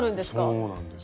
そうなんです。